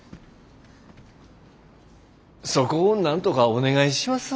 そこをなんとかお願いしますわ。